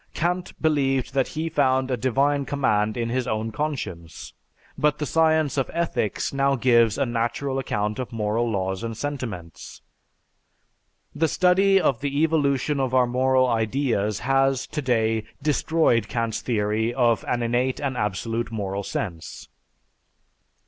Kant believed that he found a divine command in his own conscience; but the science of ethics now gives a natural account of moral laws and sentiments. The study of the evolution of our moral ideas has, today, destroyed Kant's theory of an innate and absolute moral sense.